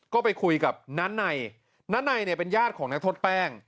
ก็ไปคุยกับนันไนนันไนเป็นญาติของนักโทษแป้ง